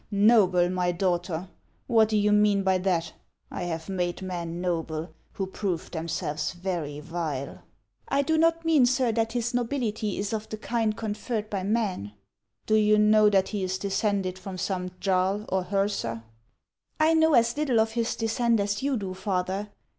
" Noble, my daughter ! What do you mean by that ? I have made men noble who proved themselves very vile." " I do not mean, sir, that his nobility is of the kind con ferred by man/' "Do you know that he is descended from some 'jarl' or ' hersa ' I" 1 " I know as little of his descent as you do, father.